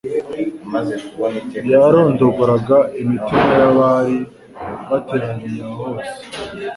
Yarondoraga imitima y'abari bateraniye aho bose.